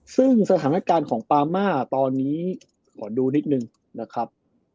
ซึ่งสถานการณ์ของปามาตอนนี้ขอดูนิดนึงนะครับ